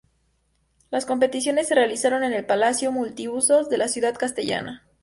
Las competiciones se realizaron en el Palacio Multiusos de la ciudad castellana.